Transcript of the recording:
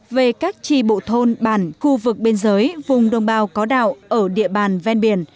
về các trì bộ thôn bản khu vực biên giới vùng đồng bào có đạo ở địa bàn ven biển